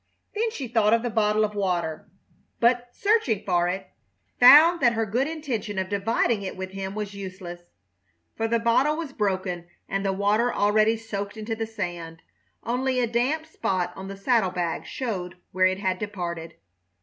Then she thought of the bottle of water, but, searching for it, found that her good intention of dividing it with him was useless, for the bottle was broken and the water already soaked into the sand. Only a damp spot on the saddle bag showed where it had departed.